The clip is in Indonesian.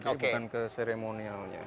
jadi bukan ke seremonialnya